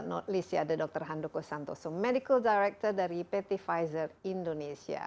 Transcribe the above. dan terakhir ada dr handoko santoso direktur pediatri dari pt pfizer indonesia